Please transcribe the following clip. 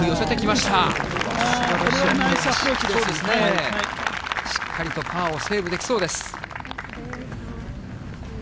しっかりとパーをセーブできそうです。